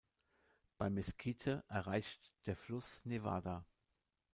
Bei Mesquite erreicht der Fluss Nevada.